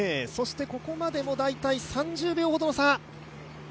ここまでが大体３０秒ほどの差。